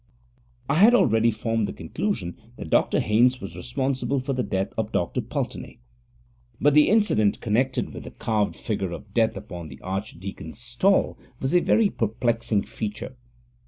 I had already formed the conclusion that Dr Haynes was responsible for the death of Dr Pulteney. But the incident connected with the carved figure of death upon the archdeacon's stall was a very perplexing feature.